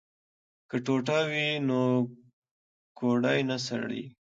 که ټوټه وي نو ګوډی نه سړیږي.